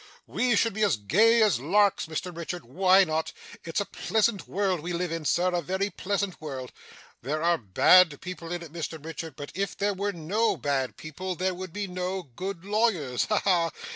We should be as gay as larks, Mr Richard why not? It's a pleasant world we live in sir, a very pleasant world. There are bad people in it, Mr Richard, but if there were no bad people, there would be no good lawyers. Ha ha!